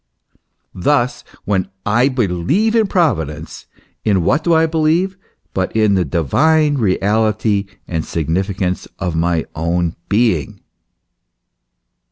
Thus when I believe in Providence, in what do I believe but in the divine reality and significance of my own being